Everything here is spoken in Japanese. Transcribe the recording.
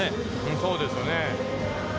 そうですね。